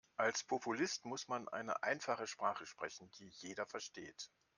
Als Populist muss man eine einfache Sprache sprechen, die jeder versteht.